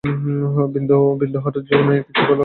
হিন্দু হঠাৎ হবার জো নেই, ইচ্ছা করলেও জো নেই।